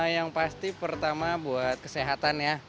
yang pasti pertama buat kesehatan ya